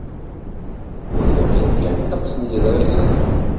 Uriγ yakan ddeqs n yiḍṛisen.